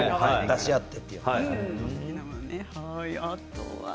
出し合って。